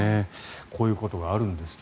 こういうことがあるんですって。